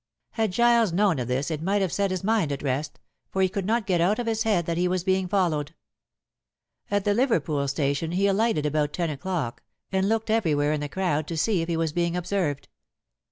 Had Giles known of this it might have set his mind at rest, for he could not get out of his head that he was being followed. At the Liverpool station he alighted about ten o'clock, and looked everywhere in the crowd to see if he was being observed.